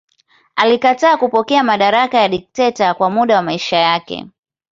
Alikataa kupokea madaraka ya dikteta kwa muda wa maisha yake.